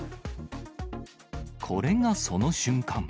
これがその瞬間。